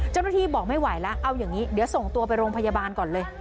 เจ้าหน้าที่บอกไม่ไหวแล้วเอาอย่างนี้เดี๋ยวส่งตัวไปโรงพยาบาลก่อนเลย